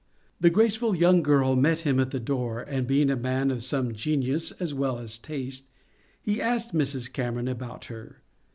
The graceful young girl met him at the door, and being a man of some genius as well as taste, he asked Mrs. Cameron about her.